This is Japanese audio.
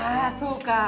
あそうか。